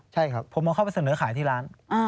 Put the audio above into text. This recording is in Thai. ใช่ครับผมเอาเข้าไปเสนอขายที่ร้าน